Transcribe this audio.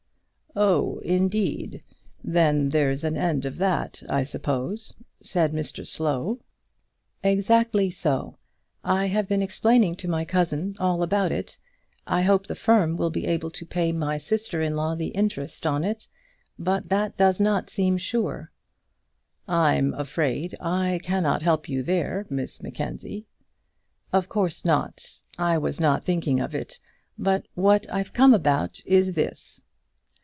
"Oh, indeed! Then there's an end of that, I suppose," said Mr Slow. "Exactly so. I have been explaining to my cousin all about it. I hope the firm will be able to pay my sister in law the interest on it, but that does not seem sure." "I am afraid I cannot help you there, Miss Mackenzie." "Of course not. I was not thinking of it. But what I've come about is this."